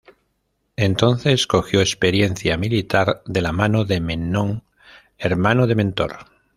Entonces cogió experiencia militar de la mano de Memnón, hermano de Mentor.